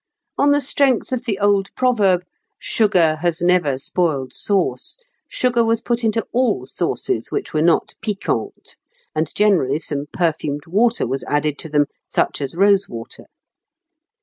On the strength of the old proverb, "Sugar has never spoiled sauce," sugar was put into all sauces which were not piquantes, and generally some perfumed water was added to them, such as rose water.